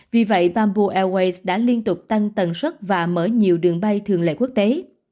vì vậy bamboo airways đã liên tục tăng tần suất và mở nhiều đường bay thường lệ quốc tế